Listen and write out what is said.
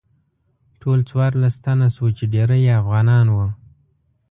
ټول څوارلس تنه شوو چې ډیری یې افغانان وو.